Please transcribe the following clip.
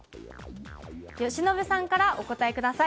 由伸さんからお答えください。